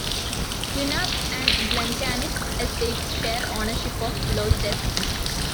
Quinag and Glencanisp estates share ownership of Loch Assynt.